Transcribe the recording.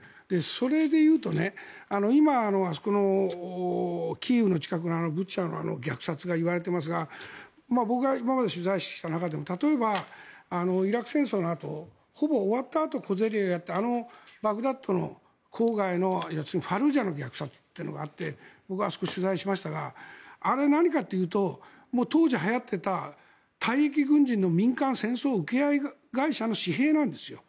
それでいうと今、キーウの近くのブチャの虐殺が言われていますが僕が今まで取材してきた中でも例えばイラク戦争のあとほぼ終わったあと小競り合いをやったバグダッド郊外のファルージャの虐殺というのがあってあそこを取材しましたがあれが何かというと当時、流行っていた退役軍人の民間戦争請負会社の私兵なんですよ。